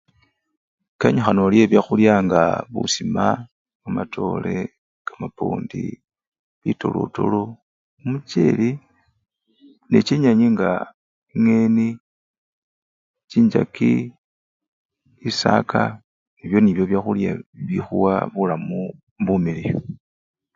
Kenyikhana olye byakhulya nga busuma, kamatore kamapwondi, bitolotolo, kumcheli nechinyenyi nga engeni, chinchaki, esaka, ebyo nibyo byakhulya bikhuwa bulamu bumiliyu.